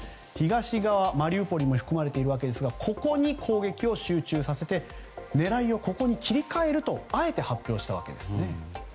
東側マリウポリも含まれているわけですがここに攻撃を集中させて狙いをここに切り替えるとあえて発表したわけですね。